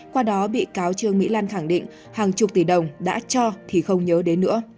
qua đó bị cáo trương mỹ lan khẳng định hàng chục tỷ đồng đã cho thì không nhớ đến nữa